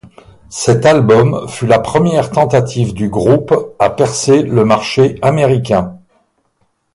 Cet album fut la première tentative du groupe à percer le marché américain.